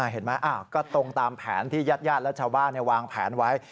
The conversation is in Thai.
เห็นไหมก็ตรงตามแผนที่ญาติญาติและชาวบ้านวางแผนไว้